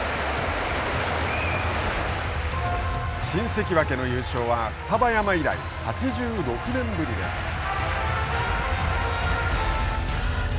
新関脇の優勝は双葉山以来８６年ぶりです。